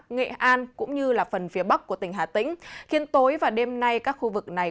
nghệ an cũng như phần phía bắc của tỉnh hà tĩnh khiến tối và đêm nay các khu vực này